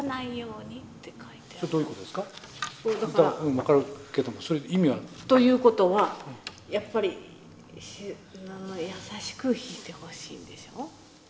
分かるけどもそれ意味は？ということはやっぱり優しく弾いてほしいんでしょう？